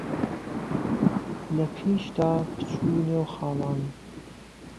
لە پیش دا پچو نێو خاڵان